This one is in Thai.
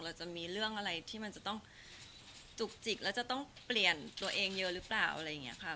จะมีเรื่องอะไรที่มันจะต้องจุกจิกแล้วจะต้องเปลี่ยนตัวเองเยอะหรือเปล่าอะไรอย่างนี้ค่ะ